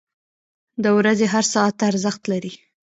• د ورځې هر ساعت ارزښت لري.